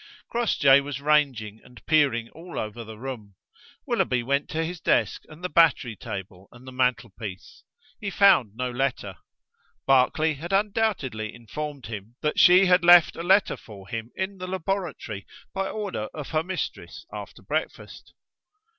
Crossjay was rangeing and peering all over the room. Willoughby went to his desk and the battery table and the mantelpiece. He found no letter. Barclay had undoubtedly informed him that she had left a letter for him in the laboratory, by order of her mistress after breakfast.